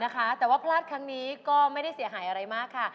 แต่ว่าพลาดครั้งนี้ก็ไม่ได้เสียหายอะไรมากค่ะ